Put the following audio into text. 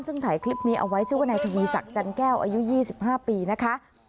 ซึ่งถ่ายคลิปนี้เอาไว้ชื่อว่านายทวีศักดิ์จันแก้วอายุ๒๕ปีนะคะ